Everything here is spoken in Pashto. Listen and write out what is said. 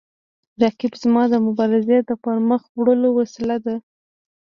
رقیب زما د مبارزې د پرمخ وړلو وسیله ده